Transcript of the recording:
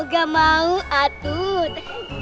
nggak mau atut